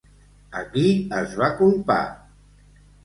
A qui es va culpar?